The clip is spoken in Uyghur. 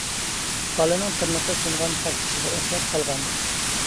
بالىنىڭ تىرنىقى سۇنغان قاشتېشىغا ئوخشاپ قالغانىدى.